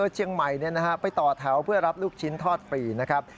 เชียงใหม่ไปต่อแถวเพื่อรับลูกชิ้นทอดฟรีนะครับ